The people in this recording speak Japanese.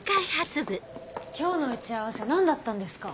今日の打ち合わせ何だったんですか？